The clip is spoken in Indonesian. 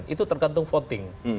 itu tergantung voting